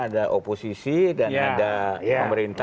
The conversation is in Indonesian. ada oposisi dan ada pemerintah